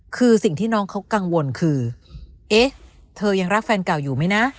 คือสิ่งที่น้องเขากังวลคือเอ๊ะเธอยังรักแฟนเก่าอยู่ไหมนะ